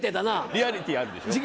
リアリティーあるでしょ？